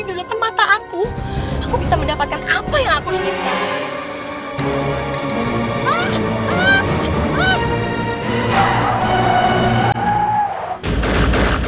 di depan mata aku aku bisa mendapatkan apa yang aku miliki